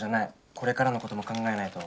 これからのことも考えないと。